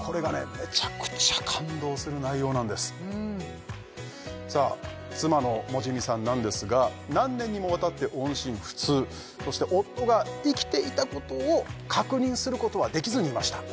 めちゃくちゃ感動する内容なんですさあ妻のモジミさんなんですが何年にもわたって音信不通そして夫が生きていたことを確認することはできずにいました